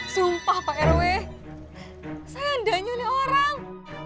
sumpah pak rw saya ndak nyulik orang